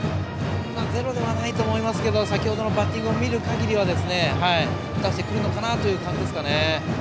ゼロではないと思いますが先程のバッティングを見る限りは打たせてくるのかなという感じですかね。